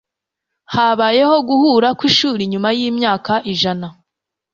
Habayeho guhura kwishuri nyuma yimyaka ijana